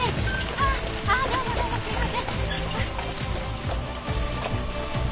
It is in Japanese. ああああどうもどうもすいません。